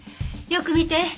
よく見て。